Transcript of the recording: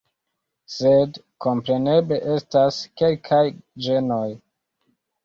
Sed kompreneble estas kelkaj ĝenoj.